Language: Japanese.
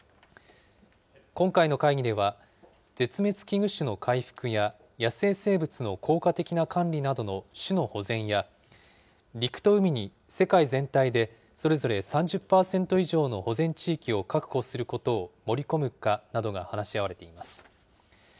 今回の会議では絶滅危惧種の回復や野生生物の効果的な管理などの種の保全や、陸と海に世界全体でそれぞれ３０％以上の保全地域を確保することを盛り込むかなどが話し合われています。